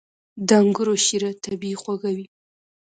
• د انګورو شیره طبیعي خوږه وي.